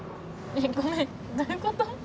ごめんどういうこと？